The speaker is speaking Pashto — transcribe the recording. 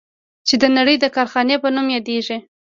چین د نړۍ د کارخانې په نوم یادیږي.